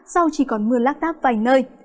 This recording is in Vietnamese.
sau chỉ còn mưa lát đáp vài nơi